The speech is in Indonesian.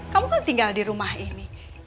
kamu kan tinggal di rumah ini